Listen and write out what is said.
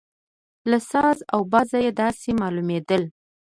له ساز او بازه یې داسې معلومېدل.